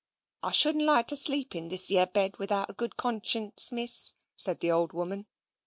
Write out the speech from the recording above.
"I shouldn't like to sleep in this yeer bed without a good conscience, Miss," said the old woman.